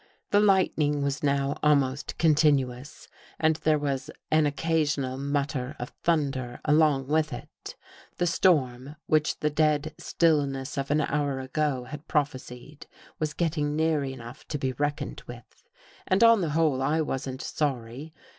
The lightning was now almost continuous and there was an occasional mut ter of thunder along with it. The storm, which 221 THE GHOST GIRL the dead stillness of an hour ago had prophesied, was getting near enough to be reckoned with. And, on the whole, I wasn't sorry.